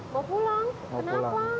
mau pulang kenapa